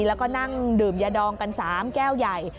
แล้วก็นั่งดื่มยาดองกัน๓แก้วใหญ่